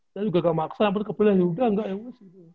saya juga enggak maksa terus kepilih yaudah enggak ya